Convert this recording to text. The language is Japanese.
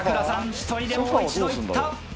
１人でもう一度行った。